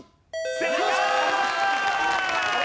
正解！